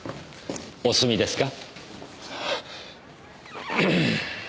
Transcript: お済みですか？